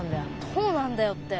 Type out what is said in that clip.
どうなんだよって。